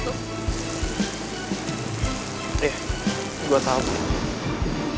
apa bener lo udah tau soal nyokap gue dan laki laki ini